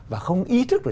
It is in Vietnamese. và không ý thức